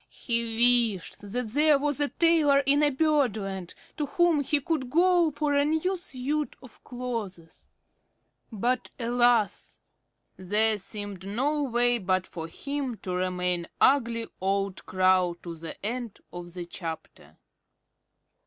He wished that there was a tailor in Birdland to whom he could go for a new suit of clothes. But alas! There seemed no way but for him to remain ugly old Crow to the end of the chapter.